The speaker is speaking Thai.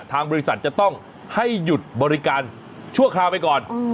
ทางบริษัทจะต้องให้หยุดบริการชั่วคราวไปก่อน